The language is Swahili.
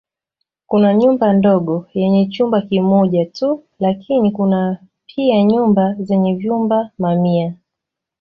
Kuna nyumba ndogo yenye chumba kimoja tu lakini kuna pia nyumba zenye vyumba mamia.